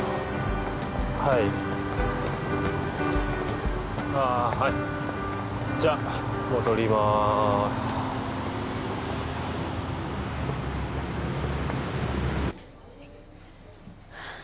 はいああはいじゃあ戻りますうわ